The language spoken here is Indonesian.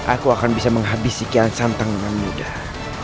aku akan bisa menghabisi kian santang dengan mudah